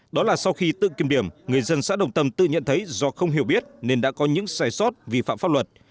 đó là sau khi tự kiểm điểm người dân xã đồng tâm tự nhận thấy do không hiểu biết nên đã có những sai sót